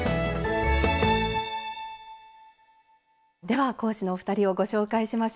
では講師のお二人をご紹介しましょう。